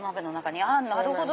なるほど！